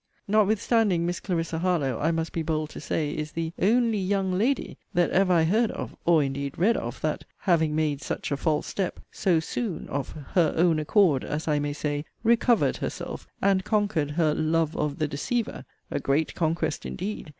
Notwithstanding, Miss Clarissa Harlowe (I must be bold to say) is the 'only young lady,' that ever I heard of (or indeed read of) that, 'having made such a false step,' so 'soon' (of 'her own accord,' as I may say) 'recovered' herself, and conquered her 'love of the deceiver'; (a great conquest indeed!)